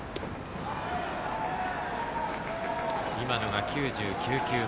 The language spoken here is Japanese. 今のが９９球目。